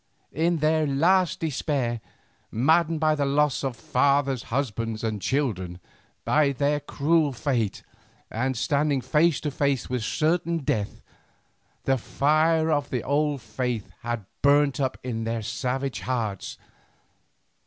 In their last despair, maddened by the loss of fathers, husbands, and children, by their cruel fate, and standing face to face with certain death, the fire of the old faith had burnt up in their savage hearts.